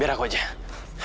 biar aku aja